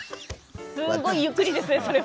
すごい、ゆっくりですね。